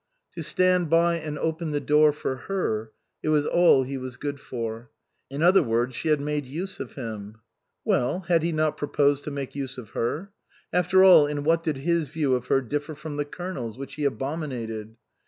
To stand by and open the door for her it was all he was good for. In other words, she had made use of him. Well, had he not pro posed to make use of her? After all, in what did his view of her differ from the Colonel's, which he abominated?